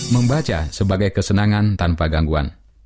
membaca sebagai kesenangan tanpa gangguan